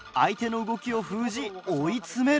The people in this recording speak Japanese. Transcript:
相手の動きを封じ追い詰める。